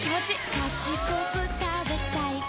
かしこく食べたいうわ！